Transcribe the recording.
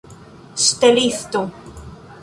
ŝtelisto